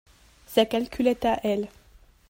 sa calculette à elle.